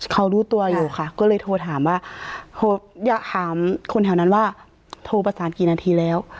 เขารู้ตัวอยู่ค่ะก็เลยโทรถามว่าอยากถามคนแถวนั้นว่าโทรประสานกี่นาทีแล้ว